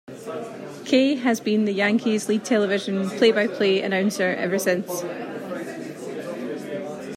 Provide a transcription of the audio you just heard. Kay has been the Yankees' lead television play-by-play announcer ever since.